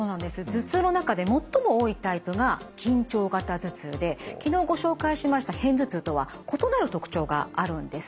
頭痛の中で最も多いタイプが緊張型頭痛で昨日ご紹介しました片頭痛とは異なる特徴があるんですね。